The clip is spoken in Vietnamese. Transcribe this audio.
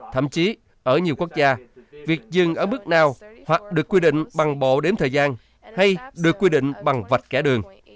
thậm chí ở nhiều quốc gia việc dừng ở bước nào hoặc được quy định bằng bộ đếm thời gian hay được quy định bằng vạch kẻ đường